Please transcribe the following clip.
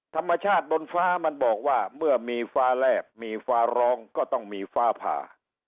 ธรรมชาติบนฟ้ามันบอกว่าเมื่อมีฟ้าแลบมีฟ้าร้องก็ต้องมีฟ้าผ่า